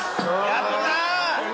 やった！